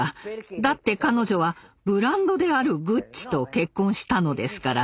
だって彼女はブランドであるグッチと結婚したのですから。